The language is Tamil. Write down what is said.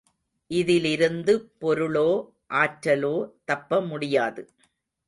இதிலிருந்து பொருளோ ஆற்றலோ தப்ப முடியாது.